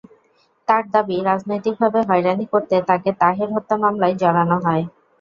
তাঁর দাবি, রাজনৈতিকভাবে হয়রানি করতে তাঁকে তাহের হত্যা মামলায় জড়ানো হয়।